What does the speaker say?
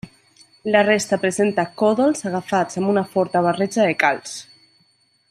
La resta presenta còdols agafats amb una forta barreja de calç.